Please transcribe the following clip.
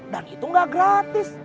dan itu gak gratis